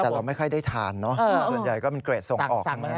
แต่เราไม่ค่อยได้ทานเนอะส่วนใหญ่ก็เป็นเกรดส่งออกใช่ไหม